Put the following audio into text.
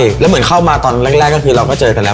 ด้วยเหมือนเข้ามาตอนแรกเราก็เจอกันแล้ว